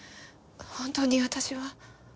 本当に私は。